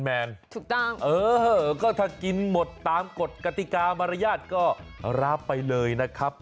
แบบเนี้ยแฟร์แมนเออก็ถ้ากินหมดตามกฏกติกามรยาติก็ราบไปเลยนะครับ